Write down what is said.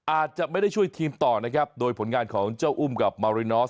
อาจจะไม่ได้ช่วยทีมต่อนะครับโดยผลงานของเจ้าอุ้มกับมารินอส